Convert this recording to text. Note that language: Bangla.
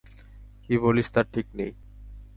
কী বলিস তার ঠিক নেই!